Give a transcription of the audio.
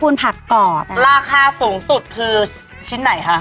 ละค่าสูงสุดคือชิ้นไหนคะ